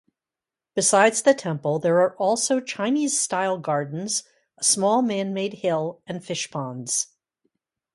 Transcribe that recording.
Besides the temple, there are also Chinese-style gardens, a small man-made "hill" and fishponds.